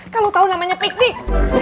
kalau tahu namanya piknik